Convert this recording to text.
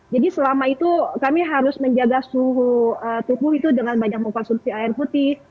jadi selama itu kami harus menjaga suhu tubuh itu dengan banyak muka suci air putih